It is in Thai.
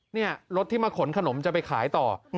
นี่รถที่มาขนขนมจะไปขายต่อ